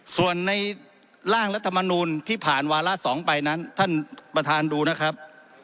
ส่วนในร่างรัฐมนูลที่ผ่านวาระ๒ไปนั้นท่านประธานดูนะครับ